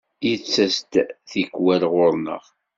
Yettas-d tikwal ɣur-neɣ.